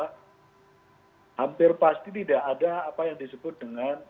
hampir pasti tidak ada apa yang disebut dengan